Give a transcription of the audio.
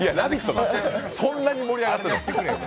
なんですよ、そんなに盛り上がってない。